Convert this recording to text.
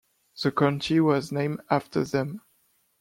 The county was named after them.